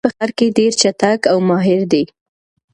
کبابي په خپل کار کې ډېر چټک او ماهیر دی.